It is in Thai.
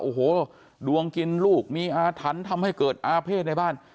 โอ้โหดวงกินลูกมีอาถรรพ์ทำให้เกิดอาเภษในบ้าน